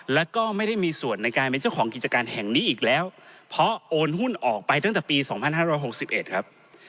แล้วก็ไม่ได้มีส่วนในการเป็นเจ้าของกิจการแห่งนี้อีกแล้วเพราะโอนหุ้นออกไปตั้งแต่ปี๒๕๖๑ครับ